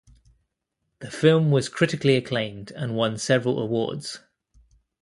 The film was critically acclaimed and won several awards.